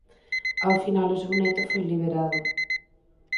Ao final o seu neto foi liberado.